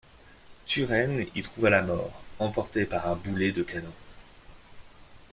Turenne y trouva la mort, emporté par un boulet de canon.